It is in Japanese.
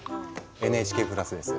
ＮＨＫプラスです。